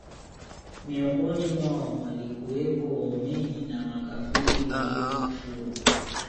miongoni mwao walikuwepo Waumini na makafiri Waliokufuru